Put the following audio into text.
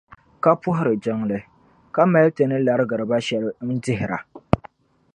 ka puhiri jiŋli, ka mali Ti ni larigi ba shɛli n-dihira.